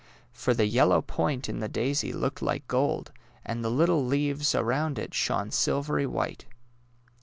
" For the yellow point in the daisy looked like gold, and the little leaves around it shone silvery white.